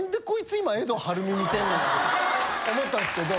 今エド・はるみ観てんねんって思ったんですけど。